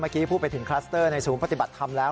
เมื่อกี้พูดไปถึงคลัสเตอร์ในศูนย์ปฏิบัติธรรมแล้ว